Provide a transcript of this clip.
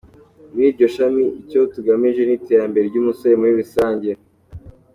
Muri iryo shami icyo tugamije ni iterambere ry’umugore muri rusange.